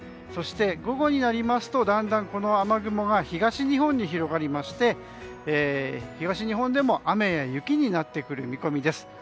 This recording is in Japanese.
そして午後になりますとだんだん、この雨雲が東日本に広がりまして東日本でも雨や雪になってくる見込みです。